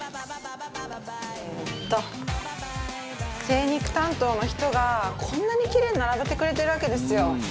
精肉担当の人がこんなにキレイに並べてくれてるわけですよ。